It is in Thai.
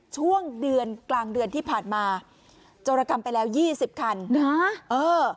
ช่วงเดือนกลางเดือนที่ผ่านมาโจรกรรมไปแล้วยี่สิบคันนะเออ